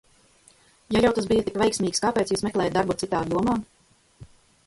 Ja jau tas bija tik veiksmīgs, kāpēc jūs meklējāt darbu citā jomā?